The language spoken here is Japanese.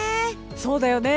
そうだよね。